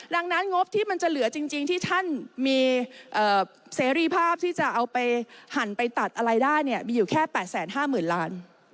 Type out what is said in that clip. ดังนั้นงบที่มันจะเหลือจริงที่ท่านมีเสรีภาพที่จะเอาไปหั่นไปตัดอะไรได้เนี่ยมีอยู่แค่๘๕๐๐๐ล้าน